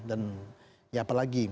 dan ya apalagi